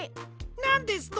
なんですと！